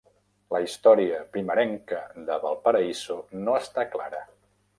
La història primerenca de Valparaíso no està clara.